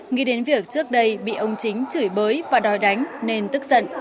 nghĩ đến việc trước đây bị ông chính chửi bới và đòi đánh nên tức giận